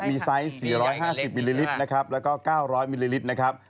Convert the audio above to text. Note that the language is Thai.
มีไซส์๔๕๐มิลลิลิตรนะครับแล้วก็๙๐๐มิลลิลิตรนะครับ